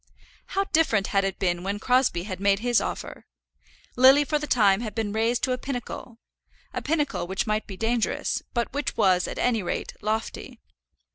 How different had it been when Crosbie had made his offer! Lily for the time had been raised to a pinnacle, a pinnacle which might be dangerous, but which was, at any rate, lofty.